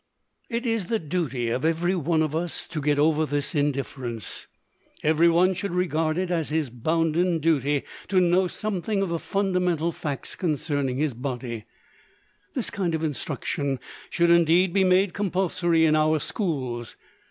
It is the duty of every one of us to get over this indifference. Everyone should regard it as his bounden duty to know something of the fundamental facts concerning his body. This kind of instruction should indeed be made compulsory in our schools.